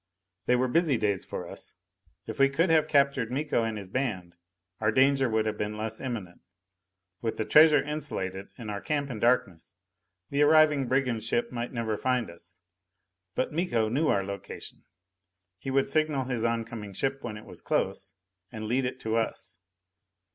They were busy days for us. If we could have captured Miko and his band, our danger would have been less imminent. With the treasure insulated, and our camp in darkness, the arriving brigand ship might never find us. But Miko knew our location; he would signal his oncoming ship when it was close and lead it to us.